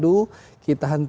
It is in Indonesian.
dan kita berhenti